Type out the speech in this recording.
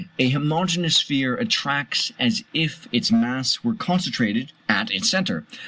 A homogeneous sphere attracts as if its mass were concentrated at its centre.